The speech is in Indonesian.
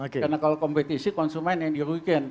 karena kalau kompetisi konsumen yang dirugikan